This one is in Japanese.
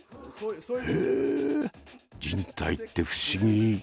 へえ人体って不思議。